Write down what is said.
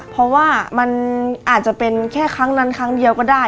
เพราะว่ามันอาจจะเป็นแค่ครั้งนั้นครั้งเดียวก็ได้